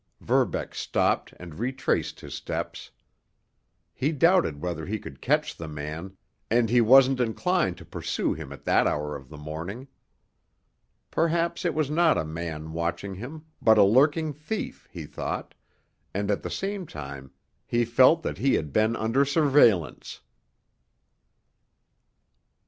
Verbeck stopped and retraced his steps. He doubted whether he could catch the man, and he wasn't inclined to pursue him at that hour of the morning. Perhaps it was not a man watching him, but a lurking thief, he thought, and at the same time he felt that he had been under surveillance.